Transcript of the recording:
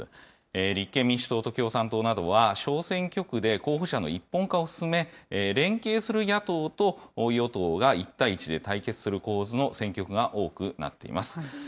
立憲民主党と共産党などは、小選挙区で候補者の一本化を進め、連携する野党と与党が１対１で対決する構図の選挙区が多くなっています。